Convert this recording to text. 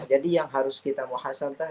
jadi yang harus kita muhasantar